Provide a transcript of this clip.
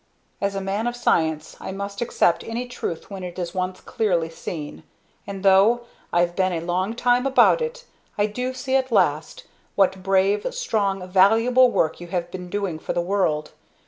"As a man of science I must accept any truth when it is once clearly seen; and, though I've been a long time about it, I do see at last what brave, strong, valuable work you have been doing for the world.